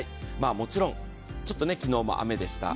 もちろんちょっと昨日も雨でした。